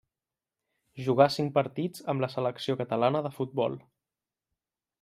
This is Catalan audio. Jugà cinc partits amb la selecció catalana de futbol.